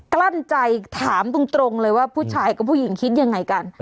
กลั้นใจถามตรงเลยว่าผู้ชายกับผู้หญิงคิดยังไงกัน